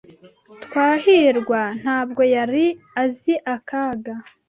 Twahirwa ntabwo yari azi akaga.